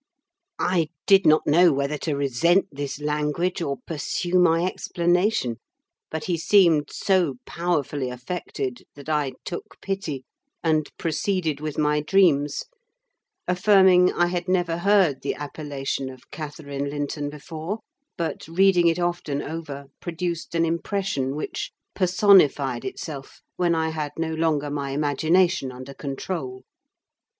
I did not know whether to resent this language or pursue my explanation; but he seemed so powerfully affected that I took pity and proceeded with my dreams; affirming I had never heard the appellation of "Catherine Linton" before, but reading it often over produced an impression which personified itself when I had no longer my imagination under control.